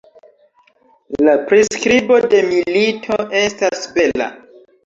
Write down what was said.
La priskribo de milito estas bela.